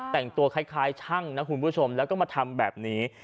แต่งตัวคล้ายช่างนะคุณผู้ชมแล้วก็มาทำแบบนี้